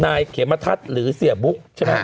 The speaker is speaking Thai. นายเขมทัศน์หรือเสียบุ๊กใช่ไหม